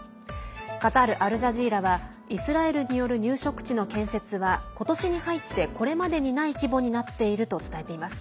カタール・アルジャジーラはイスラエルによる入植地の建設は今年に入って、これまでにない規模になっていると伝えています。